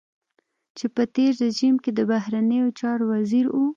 چې په تېر رژيم کې د بهرنيو چارو وزير و.